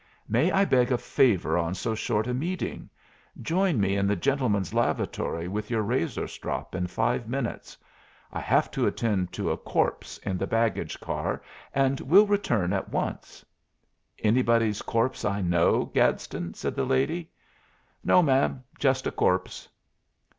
May I beg a favor on so short a meeting? Join me in the gentlemen's lavatory with your razorstrop in five minutes. I have to attend to a corpse in the baggage car, and will return at once." "Anybody's corpse I know, Gadsden?" said the lady. "No, ma'am. Just a corpse."